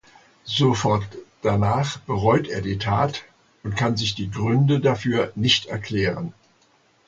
Sofort danach bereut er die Tat und kann sich die Gründe dafür nicht erklären.